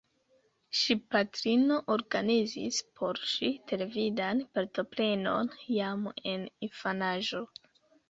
Ŝi patrino organizis por ŝi televidan partoprenon jam en infanaĝo.